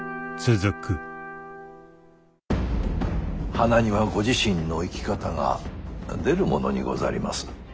花にはご自身の生き方が出るものにござります。